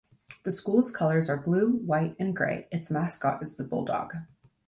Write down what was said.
The school's colors are blue, white, and gray; its mascot is the bulldog.